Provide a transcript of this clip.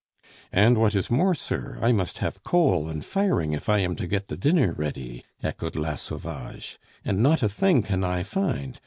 "And what is more, sir, I must have coal and firing if I am to get the dinner ready," echoed La Sauvage, "and not a thing can I find.